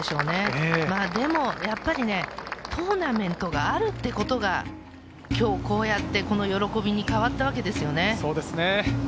でもやっぱりトーナメントがあるということが今日こうやって、この喜びに変わったわけですよね。